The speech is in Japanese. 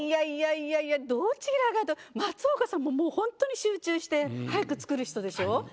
いやいやいやどちらが松岡さんももうほんとに集中して早く作る人でしょ？